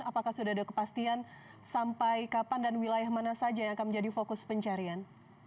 apakah sudah ada kepastian sampai kapan dan wilayah mana saja yang akan menjadi fokus pencarian